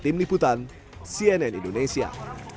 tim liputan cnn indonesia